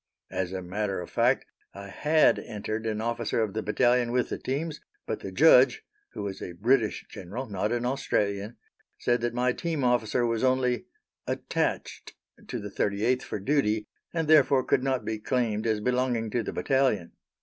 As a matter of fact, I had entered an officer of the battalion with the teams, but the judge (who was a British General, not an Australian) said that my team officer was only "attached" to the 38th for duty, and therefore could not be claimed as belonging to the battalion.